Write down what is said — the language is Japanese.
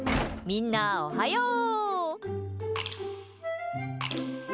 みんな、おはよう！